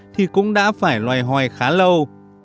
thì cũng đã phải loay hoay khá lâu